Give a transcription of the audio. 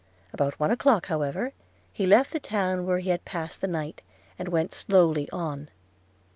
About one o'clock, however, he left the town where he had passed the night, and went slowly on.